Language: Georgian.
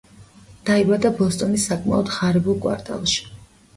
დაიბადა ბოსტონის საკმაოდ ღარიბულ კვარტალში.